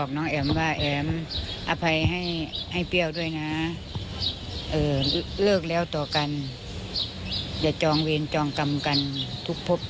ขอบคุณครับ